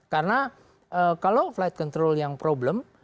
karena kalau flight control yang problem